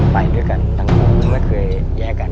ไปด้วยกันทั้งคู่ไม่เคยแยกกัน